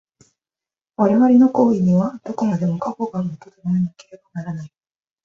我々の行為には、どこまでも過去が基とならなければならない。